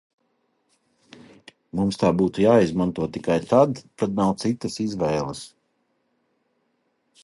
Mums tā būtu jāizmanto tikai tad, kad nav citas izvēles.